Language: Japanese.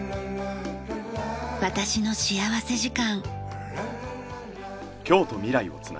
『私の幸福時間』。